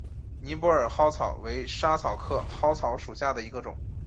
尼泊尔嵩草为莎草科嵩草属下的一个种。